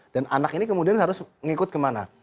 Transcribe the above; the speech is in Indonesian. dan anak ini kemudian harus mengikut kemana